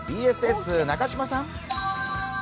ＢＳＳ中島さん。